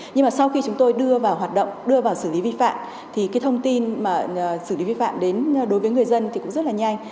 nhưng mà sau khi chúng tôi đưa vào hoạt động đưa vào xử lý vi phạm thì cái thông tin mà xử lý vi phạm đến đối với người dân thì cũng rất là nhanh